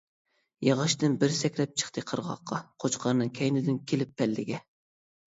ياغاچتىن بىر سەكرەپ چىقتى قىرغاققا، قوچقارنىڭ كەينىدىن كېلىپ پەللىگە.